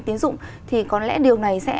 tín dụng thì có lẽ điều này sẽ